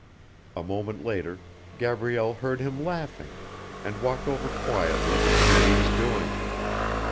A moment later Gabrielle heard him laughing, and walked over quietly to see what he was doing.